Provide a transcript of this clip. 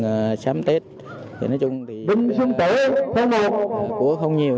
là chăm tết thì nói chung thì cũng không nhiều